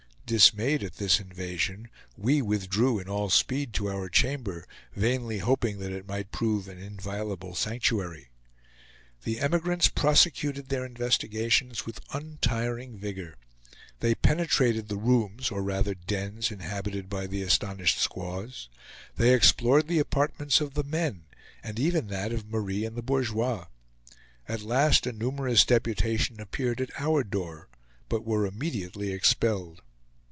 Dismayed at this invasion, we withdrew in all speed to our chamber, vainly hoping that it might prove an inviolable sanctuary. The emigrants prosecuted their investigations with untiring vigor. They penetrated the rooms or rather dens, inhabited by the astonished squaws. They explored the apartments of the men, and even that of Marie and the bourgeois. At last a numerous deputation appeared at our door, but were immediately expelled.